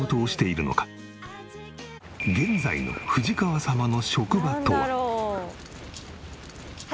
現在の藤川様の職場とは。